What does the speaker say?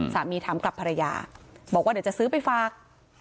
สามีถามกับภรรยาบอกว่าเดี๋ยวจะซื้อไปฝาก